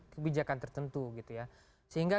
kebijakan tertentu gitu ya sehingga